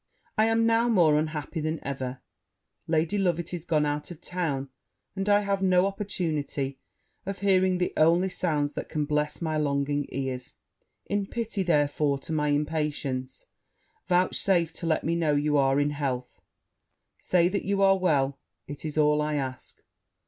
I am now more unhappy than ever; Lady Loveit is gone out of town, and I have no opportunity of hearing the only sounds that can bless my longing ears: in pity, therefore, to my impatience, vouchsafe to let me know you are in health say that you are well it is all I ask.